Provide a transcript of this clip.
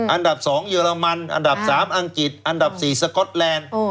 อันดับ๒เยอรมันอันดับ๓อังกฤษอันดับ๔สก๊อตแลนด์